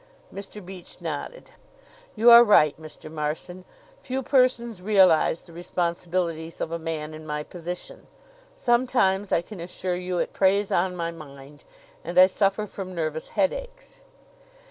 Mr. Beach nodded. "You are right, Mr. Marson. Few persons realize the responsibilities of a man in my position. Sometimes, I can assure you, it preys on my mind, and I suffer from nervous headaches."